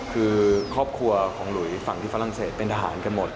คือครอบครัวของหลุยฝั่งที่ฝรั่งเศสเป็นทหารกันหมด